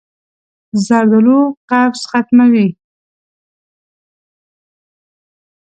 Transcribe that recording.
زردالو قبض ختموي.